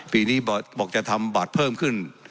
ปีนี้บอกจะทำบัตรเพิ่มขึ้น